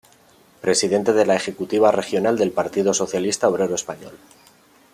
Presidente de la Ejecutiva Regional del Partido Socialista Obrero Español.